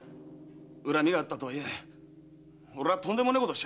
恨みがあったとはいえ俺はとんでもねえことをしました。